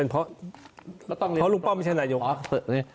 เพราะลุงป้อมไม่ใช่นายก